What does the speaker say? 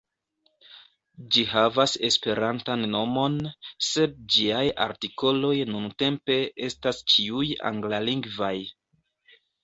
Ĝi havas Esperantan nomon, sed ĝiaj artikoloj nuntempe estas ĉiuj anglalingvaj.